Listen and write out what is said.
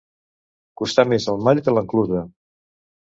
Costar més el mall que l'enclusa.